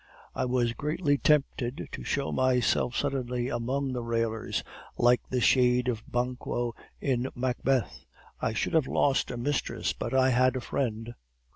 "I was greatly tempted to show myself suddenly among the railers, like the shade of Banquo in Macbeth. I should have lost a mistress, but I had a friend!